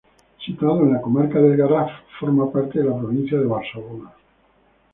Situado en la comarca del Garraf, forma parte de la provincia de Barcelona.